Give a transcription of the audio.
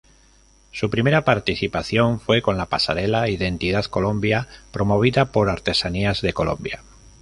Su primera participación fue con la pasarela Identidad Colombia, promovida por Artesanías de Colombia.